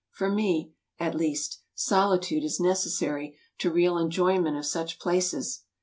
For me, at least, solitude is necessary to real enjoyment of such places.